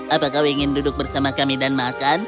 apakah ingin duduk bersama kami dan makan